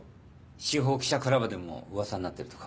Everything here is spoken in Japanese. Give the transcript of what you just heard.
司法記者クラブでも噂になっているとか。